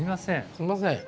すみません。